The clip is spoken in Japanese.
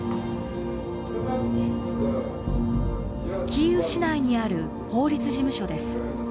キーウ市内にある法律事務所です。